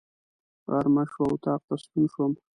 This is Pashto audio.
غرمه شوه، اطاق ته ستون شوم.